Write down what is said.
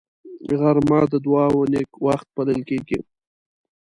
غرمه د دعاو نېک وخت بلل کېږي